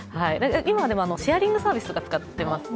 でも、今はシェアリングサービスとか使っていますね。